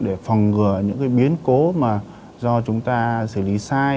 để phòng ngừa những biến cố do chúng ta xử lý sai